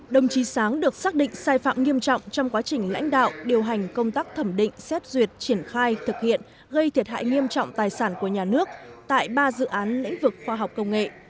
đồng chí sáng được xác định sai phạm nghiêm trọng trong quá trình lãnh đạo điều hành công tác thẩm định xét duyệt triển khai thực hiện gây thiệt hại nghiêm trọng tài sản của nhà nước tại ba dự án lĩnh vực khoa học công nghệ